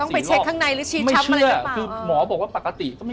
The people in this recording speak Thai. ต้องไปเช็คข้างในหรือชีวิตชับอะไรกันหรือเปล่าไม่เชื่อคือหมอบอกว่าปกติ